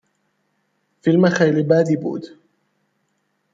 فیلم خیلی بدی بود